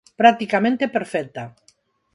Practicamente perfecta.